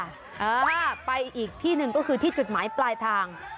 อ่าไปอีกที่หนึ่งก็คือที่จุดหมายปลายทาง